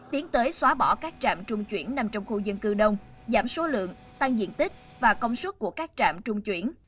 tiến tới xóa bỏ các trạm trung chuyển nằm trong khu dân cư đông giảm số lượng tăng diện tích và công suất của các trạm trung chuyển